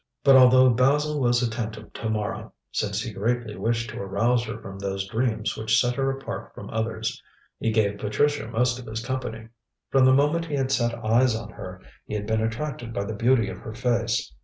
But although Basil was attentive to Mara, since he greatly wished to arouse her from those dreams which set her apart from others, he gave Patricia most of his company. From the moment he had set eyes on her, he had been attracted by the beauty of her face.